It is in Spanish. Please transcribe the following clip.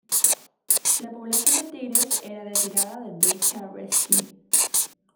La población de tigres era retirada del Big Cat Rescue.